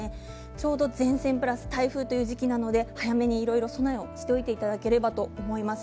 ちょうど前線プラス台風という時期なので早めにいろいろ備えをしておいていただければと思います。